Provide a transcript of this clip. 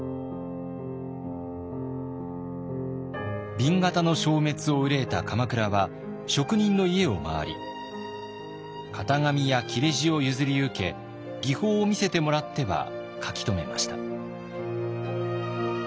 紅型の消滅を憂えた鎌倉は職人の家を回り型紙や裂地を譲り受け技法を見せてもらっては書き留めました。